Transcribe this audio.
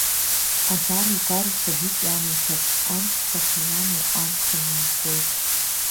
Агара игароу сабик ианоушьап, амцхәрақәа иамоу амхын иугоит.